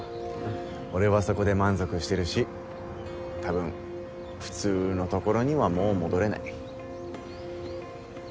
俺はそこで満足してるしたぶん普通のところにはもう戻れない。